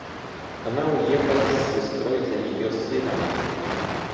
Она уехала с сестрой за ее сыном.